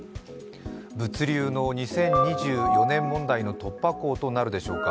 物流の２０２４年問題の突破口となるでしょうか。